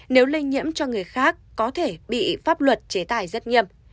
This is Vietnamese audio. nếu lây nhiễm cho người khác có thể bị pháp luật chế tài rất nghiêm